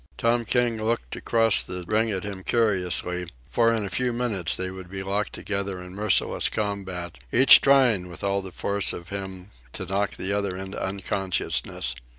Tom King looked across the ring at him curiously, for in a few minutes they would be locked together in merciless combat, each trying with all the force of him to knock the other into unconsciousness.